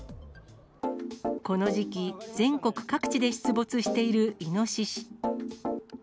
この時期、全国各地で出没しているイノシシ。